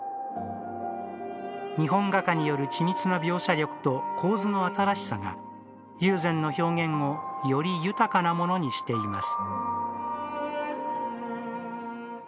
日本画家による緻密な描写力と構図の新しさが、友禅の表現をより豊かなものにしています。